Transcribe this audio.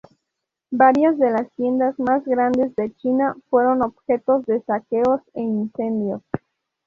Varias de las tiendas más grandes de China fueron objeto de saqueos e incendios.